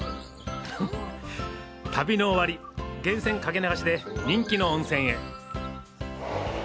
旅の終わり源泉掛け流しで人気の温泉へ。